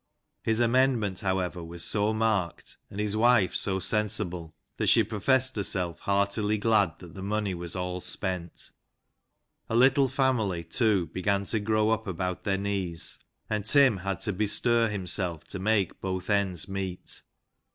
His amendment, however, was so marked, and his wife so sensible, that she professed herself heartily glad that the money was all spent. A little family, too, began to grow 248 LANCASHIRE WORTHIES. up about their knees, and Tim had to bestir himself to make both ends meet.